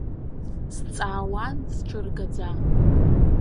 Сҵаауан сҽыргаӡа.